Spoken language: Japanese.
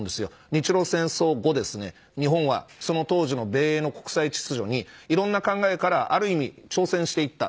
日露戦争後、日本はその当時の米英の国際秩序にいろんな考えから挑戦していった。